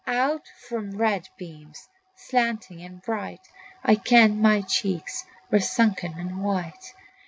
Out from the red beams, slanting and bright, I kenned my cheeks were sunken and white.